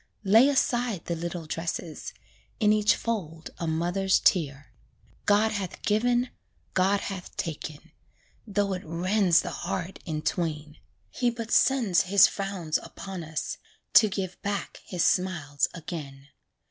Lay aside the little dresses In each fold a mother's tear. God hath given God hath taken, Though it rends the heart in twain, He but sends his frowns upon us, To give back his smiles again.